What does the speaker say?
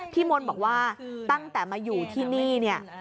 พี่มนต์บอกว่าตั้งแต่มาอยู่ที่นี่เนี่ย